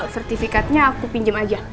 sertifikatnya aku pinjem aja